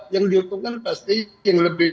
yang diuntungkan pasti yang lebih